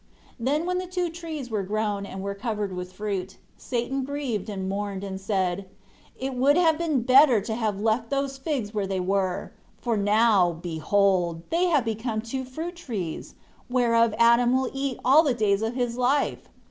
4 Then when the two trees were grown, and were covered with fruit, Satan grieved and mourned, and said, "It would have been better to have left those figs where they were; for now, behold, they have become two fruit trees, whereof Adam will eat all the days of his life.